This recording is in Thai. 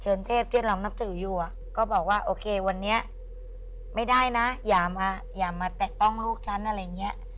เทพที่เรานับถืออยู่ก็บอกว่าโอเควันนี้ไม่ได้นะอย่ามาแตะต้องลูกฉันอะไรอย่างนี้